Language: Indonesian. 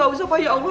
gak usah pak ya allah